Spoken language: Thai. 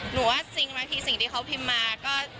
หนูว่าสิ่งบางทีที่เค้าพิมมาก็